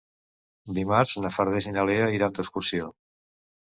Dimarts na Farners i na Lea iran d'excursió.